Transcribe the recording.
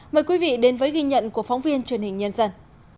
mời quý vị đến với ghi nhận của phóng viên truyền hình nhân dân